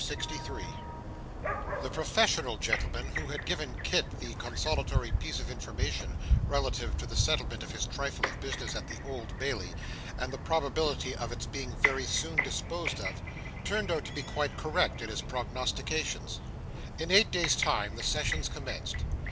CHAPTER 63 The professional gentleman who had given Kit the consolatory piece of information relative to the settlement of his trifle of business at the Old Bailey, and the probability of its being very soon disposed of, turned out to be quite correct in his prognostications. In eight days' time, the sessions commenced.